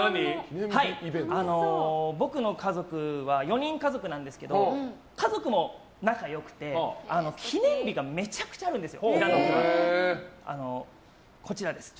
僕の家族は４人家族なんですけど家族も仲良くて記念日がめちゃくちゃあるんです。